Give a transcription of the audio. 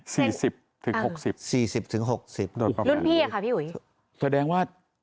สิบถึงหกสิบสี่สิบถึงหกสิบโดนรุ่นพี่อ่ะค่ะพี่อุ๋ยแสดงว่า